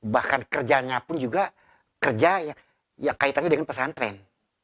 bahkan kerjanya pun juga kerja yang kaitannya dengan pesantren